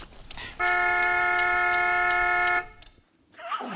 ああ？